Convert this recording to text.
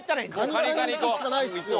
カニカニ行くしかないっす。